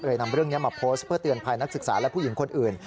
นำเรื่องนี้มาโพสต์เพื่อเตือนภัยนักศึกษาและผู้หญิงคนอื่น